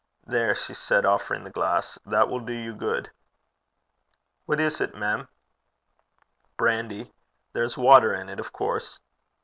'There,' she said, offering the glass, 'that will do you good.' 'What is 't, mem?' 'Brandy. There's water in it, of course.'